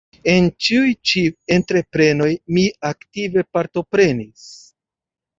En ĉiuj ĉi entreprenoj mi aktive partoprenis.